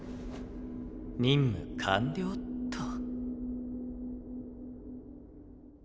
任務完了っと。